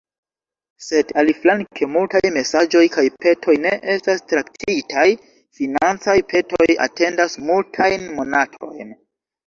Sed aliflanke multaj mesaĝoj kaj petoj ne estas traktitaj, financaj petoj atendas multajn monatojn.